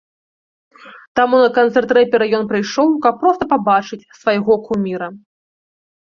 Таму на канцэрт рэпера ён прыйшоў, каб проста пабачыць свайго куміра.